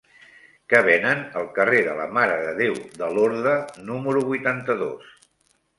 Què venen al carrer de la Mare de Déu de Lorda número vuitanta-dos?